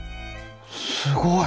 すごい。